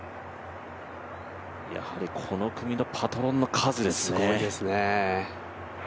やはりこの組のパトロンの数ですね。